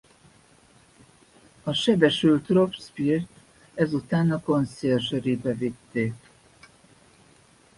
A sebesült Robespierre-t ezután a Conciergerie-be vitték.